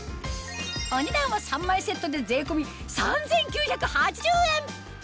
お値段は３枚セットで税込み３９８０円